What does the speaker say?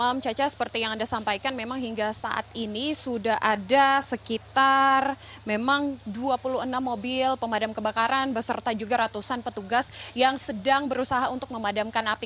selamat malam caca seperti yang anda sampaikan memang hingga saat ini sudah ada sekitar memang dua puluh enam mobil pemadam kebakaran beserta juga ratusan petugas yang sedang berusaha untuk memadamkan api